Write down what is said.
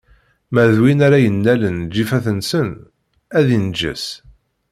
Ma d win ara yennalen lǧifat-nsen, ad inǧes.